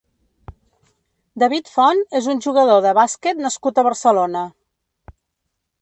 David Font és un jugador de bàsquet nascut a Barcelona.